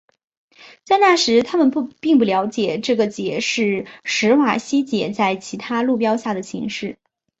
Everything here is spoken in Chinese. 在那时他们并不了解这个解是史瓦西解在其他座标下的形式。